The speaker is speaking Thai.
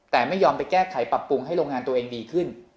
แต่ไม่ยอมไปแก้ไขปรับปรุงให้โรงงานตัวเองดีขึ้น